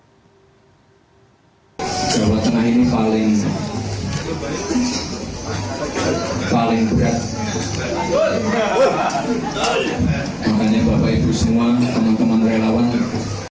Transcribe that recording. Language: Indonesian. jawa tengah ini paling berat